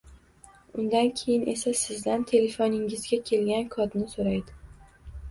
undan keyin esa, sizdan telefoningizga kelgan kodni so‘raydi.